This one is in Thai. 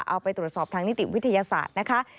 เอาไปตรวจสอบทางนิติวิทยาศาสตร์นะคะ